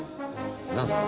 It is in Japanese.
何すか？